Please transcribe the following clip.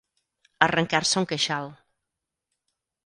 Arrencar-se un queixal.